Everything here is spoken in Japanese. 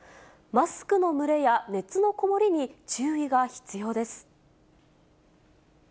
マスクの蒸れや熱の籠もりに注意が必要です。